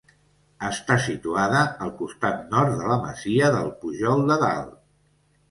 Està situada al costat nord de la masia del Pujol de Dalt.